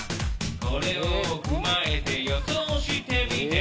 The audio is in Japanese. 「これを踏まえて予想してみて」